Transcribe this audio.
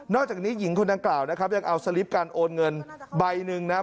อกจากนี้หญิงคนดังกล่าวนะครับยังเอาสลิปการโอนเงินใบหนึ่งนะครับ